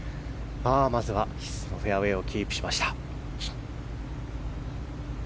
まずはフェアウェーをキープしました。